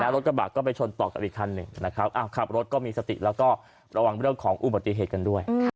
รถกระบะก็ไปชนต่อกับอีกคันหนึ่งนะครับขับรถก็มีสติแล้วก็ระวังเรื่องของอุบัติเหตุกันด้วย